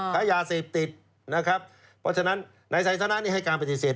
ค้ายาเสพติดนะครับเพราะฉะนั้นนายไซสนะนี่ให้การปฏิเสธ